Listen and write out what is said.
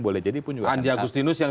boleh jadi pun juga andi agustinus yang